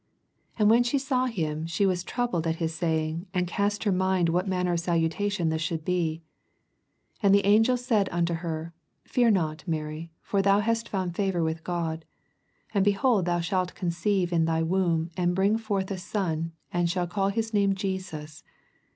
29 And when she saw Aim, she was tronbled at his saying, and cast in her mind what manner or salutation this should be. 80 And the angel said unto her. Fear not, Mary ; for thou hast fuuna favor with God. 81 And, behold, thou shalt oonoeive in thv womb, and brinff forth a son, and snalt call his name JESUS.